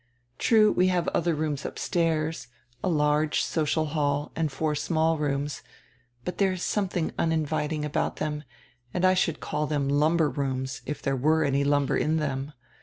True, we have other rooms upstairs, a large social hall and four small rooms, but diere is something uninviting about them, and I should call them lumber rooms, if diere were any lumber in them.